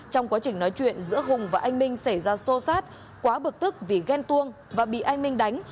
trong quá trình nói chuyện giữa hùng và anh minh xảy ra xô xát quá bực tức vì ghen tuông và bị anh minh đánh